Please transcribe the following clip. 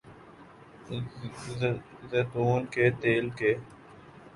زیتون کے تیل کے